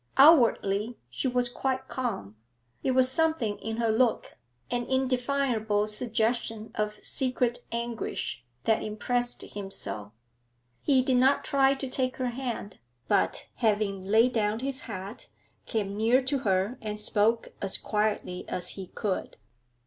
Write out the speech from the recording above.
Outwardly she was quite calm; it was something in her look, an indefinable suggestion of secret anguish, that impressed him so. He did not try to take her hand, but, having laid down his hat, came near to her and spoke as quietly as he could.